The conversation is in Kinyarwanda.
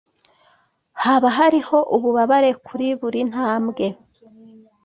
Haba hariho ububabare kuri buri ntambwe